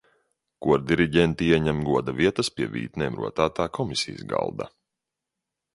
Kordiriģenti ieņem goda vietas pie vītnēm rotātā komisijas galda.